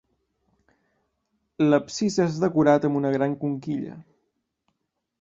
L'absis és decorat amb una gran conquilla.